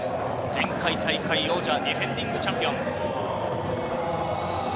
前回大会王者、ディフェンディングチャンピオン。